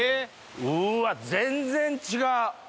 うわ全然違う！